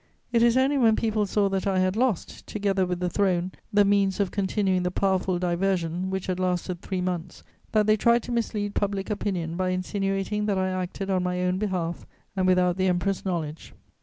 It is only when people saw that I had lost, together with the throne, the means of continuing the powerful diversion which had lasted three months that they tried to mislead public opinion by insinuating that I acted on my own behalf and without the Emperor's knowledge."